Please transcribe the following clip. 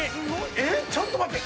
えっちょっと待って。